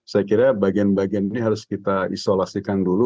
saya kira bagian bagian ini harus kita isolasikan dulu